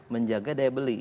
menjaga daya beli